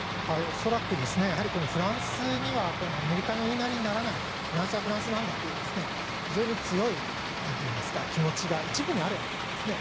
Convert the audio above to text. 恐らく、フランスにはアメリカの言いなりにならないフランスはフランスだという非常に強い気持ちが一部にあるわけですね。